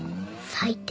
最低。